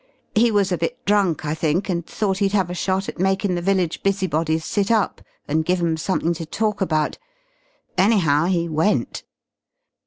He was a bit drunk, I think, and thought he'd have a shot at makin' the village busybodies sit up and give 'em something to talk about. Anyhow, he went."